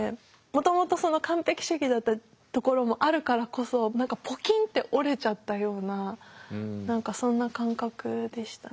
もともとその完璧主義だったところもあるからこそ何かポキンって折れちゃったような何かそんな感覚でしたね。